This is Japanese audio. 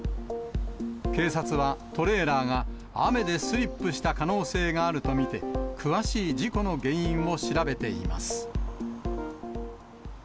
警察は、トレーラーが雨でスリップした可能性があると見て、詳しい事故の原因を調べています。